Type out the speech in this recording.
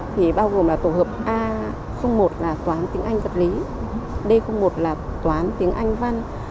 thì bao gồm là tổ hợp a một là toán tiếng anh giật lý d một là toán tiếng anh văn d chín là toán tiếng anh sự và d một mươi là toán tiếng anh điện